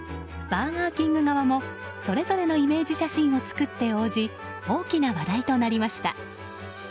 バーガーキング側もそれぞれのイメージ写真を作って応じ大きな話題となりました。